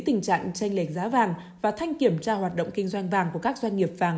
tình trạng tranh lệch giá vàng và thanh kiểm tra hoạt động kinh doanh vàng của các doanh nghiệp vàng